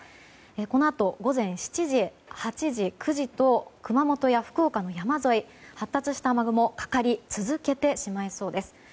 このあと午前７時、８時、９時と熊本や福岡の山沿い発達した雨雲がかかり続けてしまいそうです。